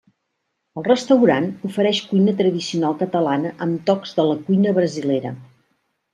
El restaurant ofereix cuina tradicional catalana amb tocs de la cuina brasilera.